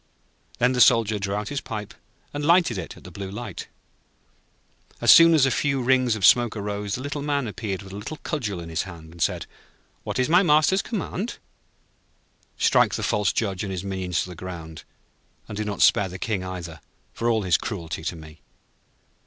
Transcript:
Then the Soldier drew out his pipe, and lighted it at the Blue Light. As soon as a few rings of smoke arose, the Little Man appeared with a little cudgel in his hand, and said: 'What is my Master's command?' 'Strike the false Judge and his minions to the ground, and do not spare the King either for all his cruelty to me.'